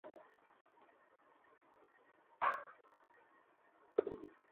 তাহলে আমরা যাচ্ছি কোথায়?